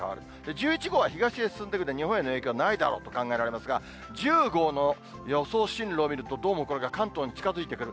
１１号は東へ進んでいくので、日本への影響はないだろうと考えられますが、１０号の予想進路を見ると、どうもこれは関東に近づいてくる。